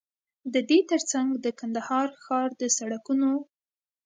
ددې تر څنګ د کندهار ښار د سړکونو